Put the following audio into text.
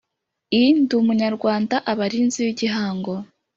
I Ndi Umunyarwanda Abarinzi b Igihango